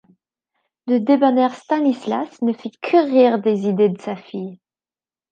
Le débonnaire Stanislas ne fit que rire des idées de sa fille.